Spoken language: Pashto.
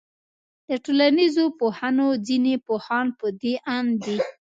د ټولنيزو پوهنو ځيني پوهان پدې آند دي